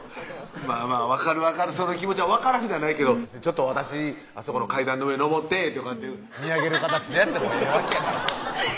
分かる分かるその気持ちは分からんではないけど「ちょっと私あそこの階段の上上って」とかって見上げる形でやってもええわけやからさ